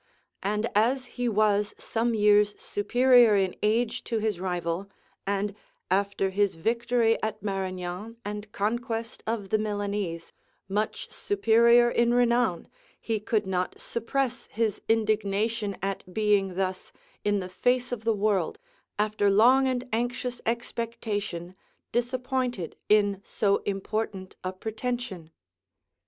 And as he was some years superior in age to his rival, and, after his victory at Marignan and conquest of the Milanese, much superior in renown, he could not suppress his indignation at being thus, in the face of the world, after long and anxious expectation, disappointed in so important a pretension.